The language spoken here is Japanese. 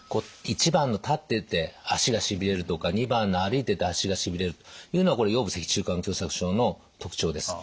①番の立ってて足がしびれるとか②番の歩いてて足がしびれるというのは腰部脊柱管狭窄症の特徴です。